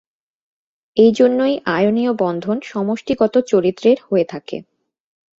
এই জন্যই আয়নীয় বন্ধন সমষ্টিগত চরিত্রের হয়ে থাকে।